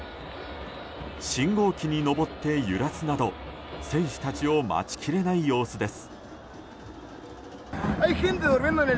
信号機に上って揺らすなど選手たちを待ちきれない様子です。